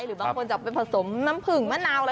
หรือบางคนจะไปผสมน้ำผึ่งมะนาวอะไร